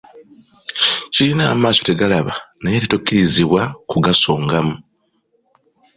Kirina amaaso tegalaba naye ate tokkirizibwa kugasongamu.